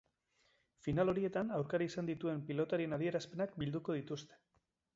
Final horietan aurkari izan dituen pilotarien adierazpenak bilduko dituzte.